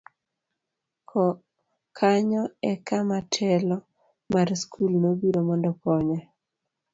kanyo e kama telo mar skul nobiro mondo okonye